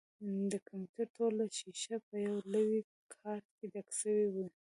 د کمپيوټر ټوله ښيښه په يوه لوى کارت ډکه سوې وه.